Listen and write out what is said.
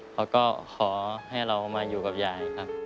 แล้วก็ขอให้เรามาอยู่กับยายครับ